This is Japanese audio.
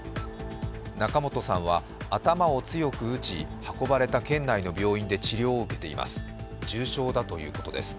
仲本さんは頭を強く打ち、運ばれた県内の病院で治療を受けています。